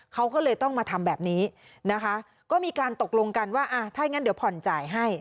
เขาก็เลยต้องมาทำแบบนี้นะคะก็มีการตกลงกันว่าถ้าอย่างนั้นเดี๋ยวผ่อนจ่ายให้